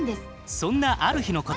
そんなある日のこと。